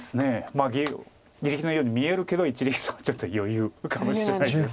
まあぎりぎりのように見えるけど一力さんはちょっと余裕かもしれないです。